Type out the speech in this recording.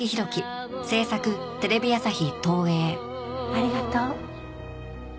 ありがとう。